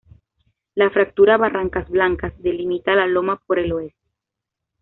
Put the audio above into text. La fractura Barrancas Blancas delimita la loma por el oeste.